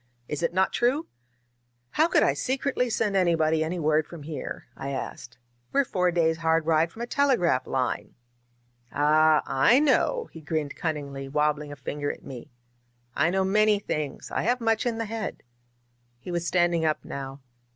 Is it not true?" "How could I secretly send anybody any word from here?" I asked. We're four days' hard ride from a telegraph line." "Ah, I know," he grinned cunningly, wabbling a fin ger at me. ^^I know many things ; I have much in the head." He was standing up now.